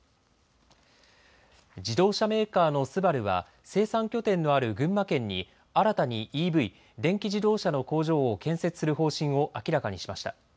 自動車メーカーのＳＵＢＡＲＵは生産拠点のある群馬県に新たにＥＶ・電気自動車の工場を建設する方針を明らかにしました。